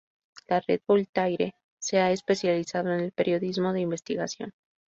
La Red Voltaire se ha especializado en el periodismo de investigación.